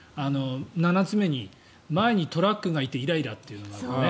７つ目に前にトラックがいてイライラというのがね。